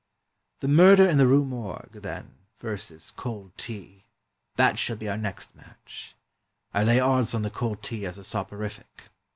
"* The Murder in the Rue Morgue,' then, versus 'cold tea' — that shall be our next match. I lay odds on the 'cold tea' as a soporific."